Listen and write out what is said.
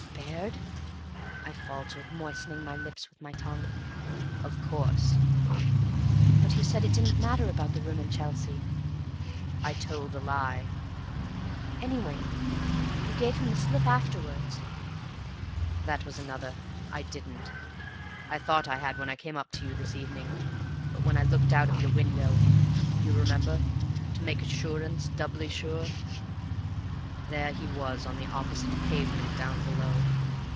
"Baird?" I faltered, moistening my lips with my tongue. "Of course." "But you said it didn't matter about the room in Chelsea?" "I told a lie." "Anyway you gave him the slip afterwards!" "That was another. I didn't. I thought I had when I came up to you this evening; but when I looked out of your window you remember? to make assurance doubly sure there he was on the opposite pavement down below."